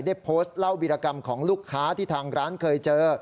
ได้โพสต์เล่าวิรกรรมของลูกค้าที่ทางร้านเคยเจอ